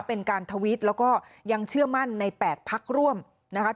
เป็นการทวิตแล้วก็ยังเชื่อมั่นใน๘พักร่วมนะคะ